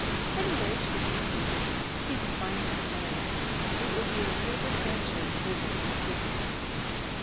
"Anyway," she concluded, "he's a fine young man. It will be a real adventure to visit his city."